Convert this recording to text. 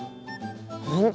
本当？